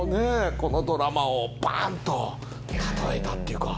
このドラマをバンと例えたっていうか。